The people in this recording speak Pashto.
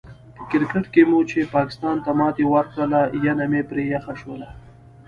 په کرکیټ کې مو چې پاکستان ته ماتې ورکړله، ینه مې پرې یخه شوله.